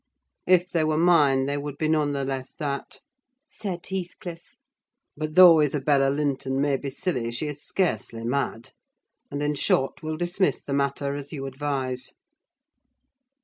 "If they were mine, they would be none the less that," said Heathcliff; "but though Isabella Linton may be silly, she is scarcely mad; and, in short, we'll dismiss the matter, as you advise."